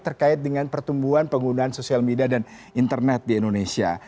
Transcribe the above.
terkait dengan pertumbuhan penggunaan sosial media dan internet di indonesia